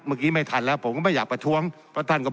เมื่อกี้ไม่ทันแล้วผมก็ไม่อยากไปทวงพระท่านกับ